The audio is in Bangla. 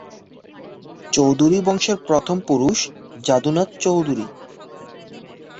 চৌধুরী বংশের প্রথম পুরুষ যদুনাথ চৌধুরী।